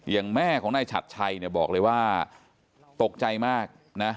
แม่ของนายฉัดชัยเนี่ยบอกเลยว่าตกใจมากนะ